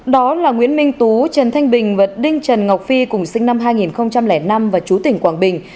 đó là nguyễn minh tú trần thanh bình và đinh trần ngọc phi cùng sinh năm hai nghìn năm và chú tỉnh quảng bình